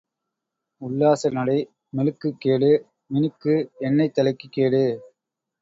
உல்லாச நடை மெலுக்குக் கேடு மினுக்கு எண்ணெய் தலைக்குக் கேடு.